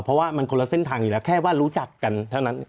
เพราะว่ามันคนละเส้นทางอยู่แล้วแค่ว่ารู้จักกันเท่านั้น